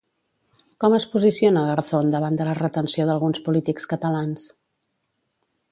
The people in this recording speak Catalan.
Com es posiciona Garzón davant de la retenció d'alguns polítics catalans?